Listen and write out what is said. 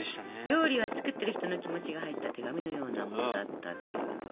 料理は作ってる人の気持ちが入った手紙のようなものだったっていうね。